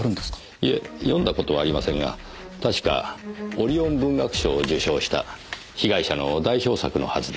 いえ読んだ事はありませんが確かオリオン文学賞を受賞した被害者の代表作のはずです。